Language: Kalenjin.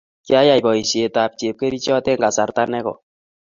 Kiayay boisiet tap chepkerchot eng kasarta ne koi